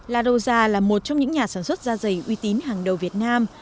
la doza là một trong những nhà sản xuất da giày uy tín hàng đầu việt nam